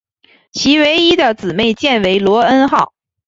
其唯一的姊妹舰为罗恩号。